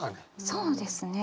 そうですね。